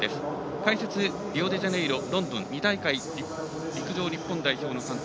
解説はリオデジャネイロ、ロンドン２大会、陸上日本代表の監督